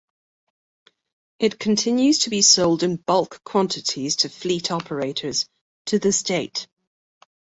It continues to be sold in bulk quantities to fleet operators, to this date.